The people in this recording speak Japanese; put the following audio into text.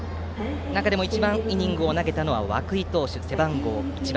中でも一番イニングを投げたのは涌井投手、背番号１番。